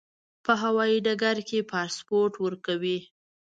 په هوایي ډګر کې پاسپورت ورکوي.